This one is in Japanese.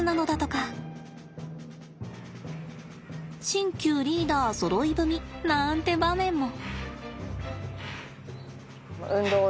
新旧リーダーそろい踏みなんて場面も。